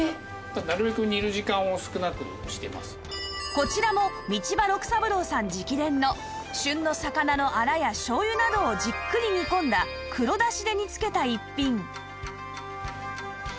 こちらも道場六三郎さん直伝の旬の魚のアラやしょうゆなどをじっくり煮込んだ黒だしで煮付けた逸品